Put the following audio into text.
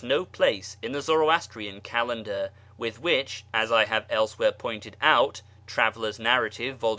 12. no place in the Zoroastrian which, as I have elsewhere pointed out (Traveller's Narrative, vol.